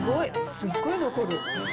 すっごい残る。